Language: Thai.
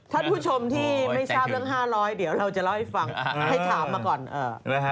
ท่านผู้ชมที่ไม่ทราบเรื่อง๕๐๐เดี๋ยวเราจะเล่าให้ฟังให้ถามมาก่อน